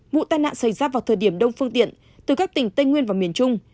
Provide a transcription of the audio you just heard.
vụ tai nạn xảy ra vào thời điểm đông phương tiện từ các tỉnh tây nguyên và miền trung